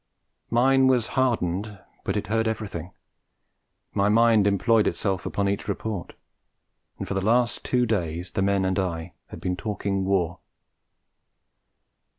Mine was hardened, but it heard everything; my mind employed itself on each report; and for the last two days the men and I had been talking War.